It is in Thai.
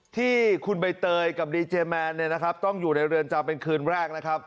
ที่คุณใบเตยกับดีเจแมนเนี่ยนะครับต้องอยู่ในเรือนจำเป็นคืนแรกนะครับ